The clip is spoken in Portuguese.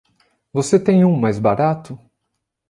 Você tem um mais barato?